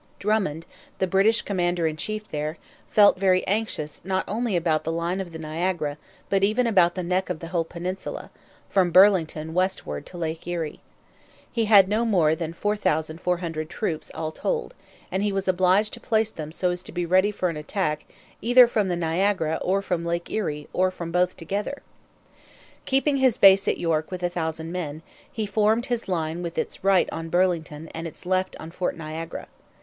Drummond, the British commander in chief there, felt very anxious not only about the line of the Niagara but even about the neck of the whole peninsula, from Burlington westward to Lake Erie. He had no more than 4,400 troops, all told; and he was obliged to place them so as to be ready for an attack either from the Niagara or from Lake Erie, or from both together. Keeping his base at York with a thousand men, he formed his line with its right on Burlington and its left on Fort Niagara.